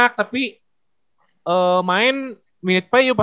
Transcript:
kita paham lah bu